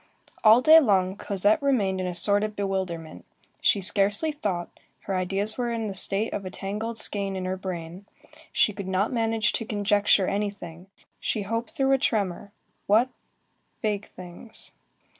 All day long, Cosette remained in a sort of bewilderment. She scarcely thought, her ideas were in the state of a tangled skein in her brain, she could not manage to conjecture anything, she hoped through a tremor, what? vague things.